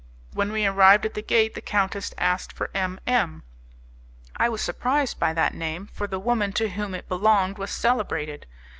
When we arrived at the gate, the countess asked for M M . I was surprised by that name, for the woman to whom it belonged was celebrated.